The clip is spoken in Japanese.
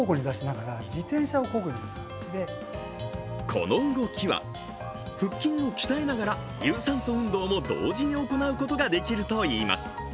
この動きは腹筋を鍛えながら有酸素運動も同時に行うことができるといいます。